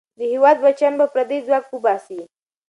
د هېواد بچیان به پردی ځواک وباسي.